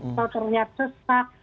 atau terlihat sesak